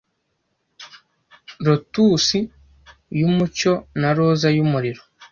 lotusi yumucyo na roza yumuriro